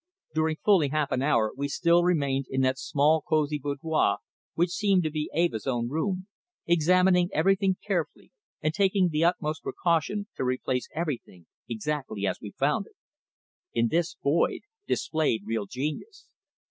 During fully half an hour we still remained in that small cosy boudoir, which seemed to be Eva's own room, examining everything carefully and taking the utmost precaution to replace everything exactly as we found it. In this Boyd displayed real genius.